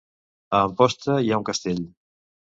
A Amposta hi ha un castell